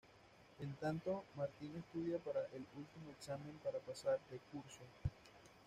En tanto Martín estudia para el último examen para pasar de curso.